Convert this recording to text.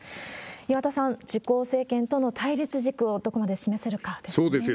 岩田さん、自公政権との対立軸をどこまで示せるかですね。